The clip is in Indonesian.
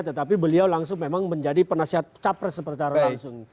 tetapi beliau langsung memang menjadi penasihat capres secara langsung